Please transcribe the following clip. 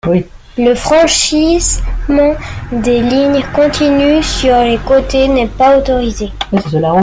Le franchissement des lignes continues sur les côtés n'est pas autorisé.